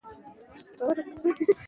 فعال اوسئ.